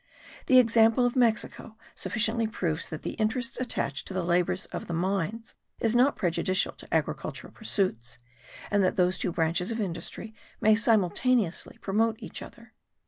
The example of Mexico sufficiently proves that the interest attached to the labours of the mines is not prejudicial to agricultural pursuits, and that those two branches of industry may simultaneously promote each other.